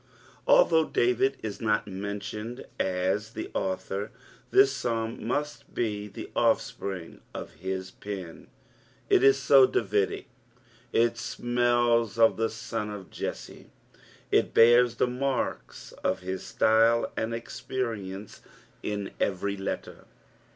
AJihovgh David in not menJionetl as the author, tlus Psalm must be the offspring of his pen ; il is so Davidie, it smdls of the son of Jesse, it bears the marks <^ his Ktyle and K^perience in every letter.